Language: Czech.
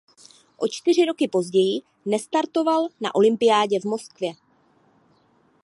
O čtyři roky později nestartoval na olympiádě v Moskvě.